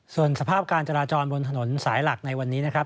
ส่วนสภาพการจราจรบนถนนสายหลักในวันนี้นะครับ